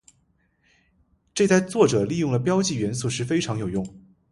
这在作者利用了标记元素时非常有用。